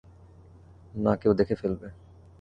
না, কেউ দেখে ফেলবে।